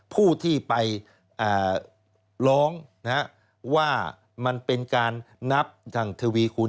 ผู้ที่ไปร้องว่ามันเป็นการนับทางทวีคุณ